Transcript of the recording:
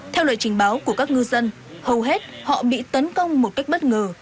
theo lời trình báo của các ngư dân hầu hết họ bị tấn công một cách bất ngờ